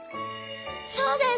そうです！